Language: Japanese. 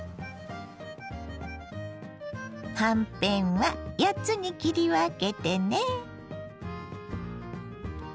はんぺんは８つに切り分けてね。